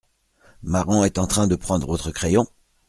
Maran est en train de prendre votre crayon ?